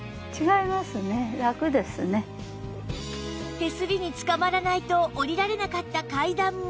手すりにつかまらないと下りられなかった階段も